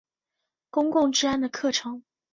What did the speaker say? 公共治安的课程。